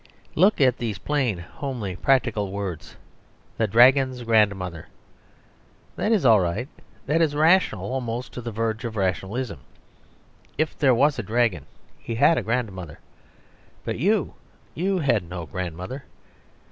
Look at these plain, homely, practical words. 'The Dragon's Grandmother,' that is all right; that is rational almost to the verge of rationalism. If there was a dragon, he had a grandmother. But you you had no grandmother!